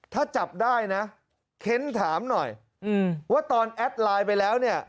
ถ้าจับได้นะเค้นถามหน่อยว่าตอนแอดไลน์ไปแล้วเนี่ย